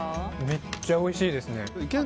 めっちゃおいしいですね。